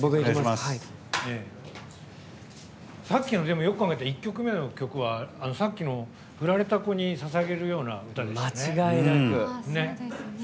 さっきの、よく考えたら１曲目の曲はさっきの振られた子にささげるような歌でしたね。